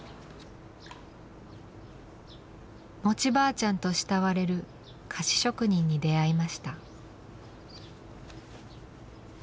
「餅ばあちゃん」と慕われる菓子職人に出会いました。